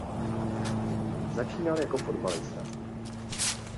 Začínal jako fotbalista.